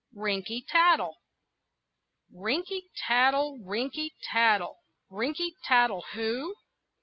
RINKY TATTLE Rinky tattle, rinky tattle, Rinky tattle who?